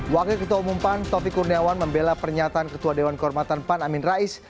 wakil ketua umum pan taufik kurniawan membela pernyataan ketua dewan kehormatan pan amin rais